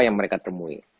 yang mereka temui